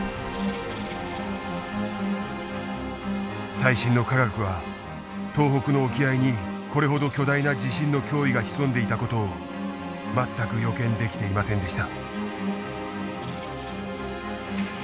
最新の科学は東北の沖合にこれほど巨大な地震の脅威が潜んでいた事を全く予見できていませんでした。